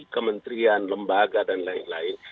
kementerian lembaga dan lain lain